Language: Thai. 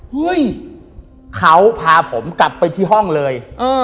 เฮ้ยเขาพาผมกลับไปที่ห้องเลย